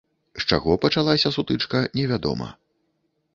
З чаго пачалася сутычка, невядома.